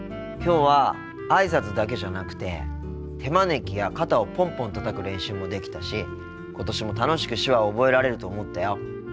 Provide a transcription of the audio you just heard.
きょうはあいさつだけじゃなくて手招きや肩をポンポンたたく練習もできたし今年も楽しく手話を覚えられると思ったよ。